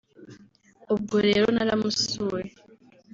ubwo rero naramusuye